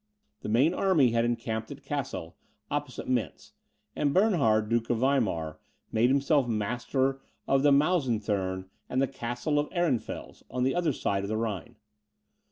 The main army had encamped at Cassel, opposite Mentz; and Bernhard, Duke of Weimar, made himself master of the Maeusethurm and the Castle of Ehrenfels, on the other side of the Rhine.